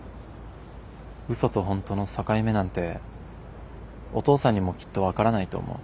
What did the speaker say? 嘘と本当の境目なんてお父さんにもきっと分からないと思う。